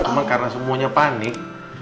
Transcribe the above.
cuma karena semuanya panik